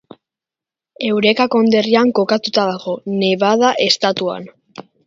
Eureka konderrian kokatuta dago, Nevada estatuan.